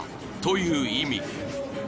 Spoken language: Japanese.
いう意味］